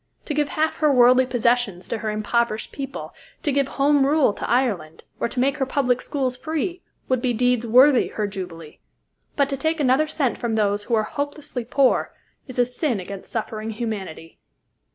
To give half her worldly possessions to her impoverished people, to give Home Rule to Ireland, or to make her public schools free, would be deeds worthy her Jubilee; but to take another cent from those who are hopelessly poor is a sin against suffering humanity."